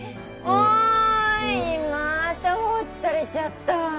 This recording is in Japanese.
おいまた放置されちゃった。